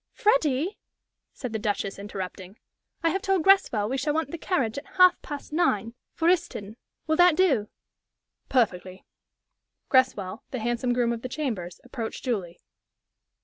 "Freddie," said the Duchess, interrupting, "I have told Greswell we shall want the carriage at half past nine for Euston. Will that do?" "Perfectly." Greswell, the handsome groom of the chambers, approached Julie.